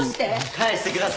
返してください！